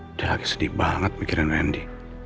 udah sedih banget mikirin randy